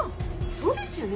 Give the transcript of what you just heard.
そうですよね